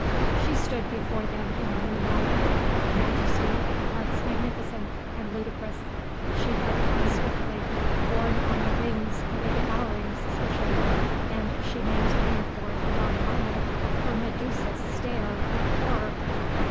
She stood before them in the moonlight with a majesty at once magnificent and ludicrous. She had come swiftly, borne on the wings of a devouring suspicion, and she maintained for a long moment her Medusa stare of horror.